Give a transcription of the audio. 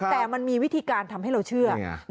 แต่มันมีวิธีการทำให้เราเชื่อ